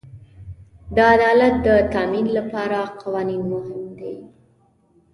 د عدالت د تامین لپاره قوانین مهم دي.